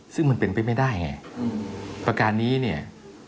ซึ่งมันเป็นไปไม่ได้ไงประการนี้เนี่ย